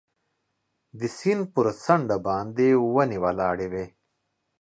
د سیند پر څنډه باندې ونې ولاړې وې.